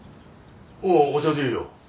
おおお茶でいいよ。